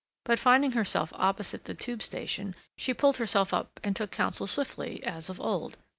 But finding herself opposite the Tube station, she pulled herself up and took counsel swiftly, as of old.